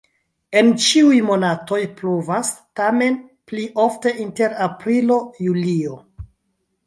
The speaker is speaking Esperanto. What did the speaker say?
En ĉiuj monatoj pluvas, tamen pli ofte inter aprilo-julio.